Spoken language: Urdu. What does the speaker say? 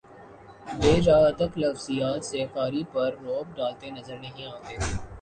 بے جا ادق لفظیات سے قاری پر رعب ڈالتے نظر نہیں آتے